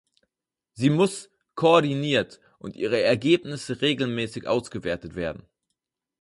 Sie muss koordiniert und ihre Ergebnisse regelmäßig ausgewertet werden.